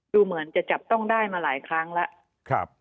ดูเหมือนจะจับต้องได้มาหลายครั้งแล้ว